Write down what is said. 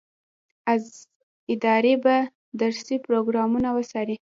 ادارې به درسي پروګرامونه وڅاري.